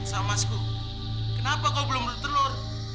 angsa emasku kenapa kau belum bertelur